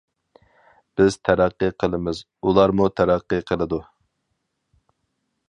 بىز تەرەققىي قىلىمىز ئۇلارمۇ تەرەققىي قىلىدۇ.